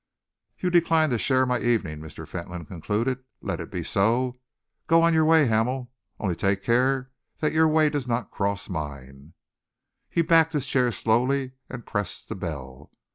"You decline to share my evening," Mr. Fentolin concluded. "Let it be so. Go your own way, Hamel, only take care that your way does not cross mine." He backed his chair slowly and pressed the bell.